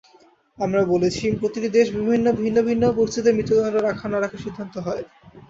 আমরা বলেছি, প্রতিটি দেশে ভিন্ন ভিন্ন পরিস্থিতিতে মৃত্যুদণ্ড রাখা না-রাখার সিদ্ধান্ত হয়।